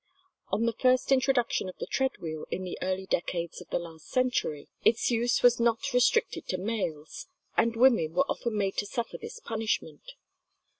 On the first introduction of the treadwheel in the early decades of the last century, its use was not restricted to males, and women were often made to suffer this punishment.